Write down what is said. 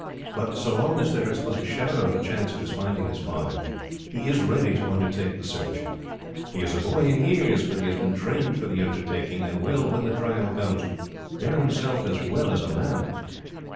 But so long as there is but a shadow of a chance of his finding his father, he is ready to undertake the search. He is a boy in years, but he has been trained for the undertaking, and will, when the trial comes, bear himself as well as a man."